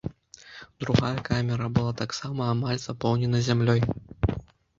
Другая камера была таксама амаль запоўненая зямлёй.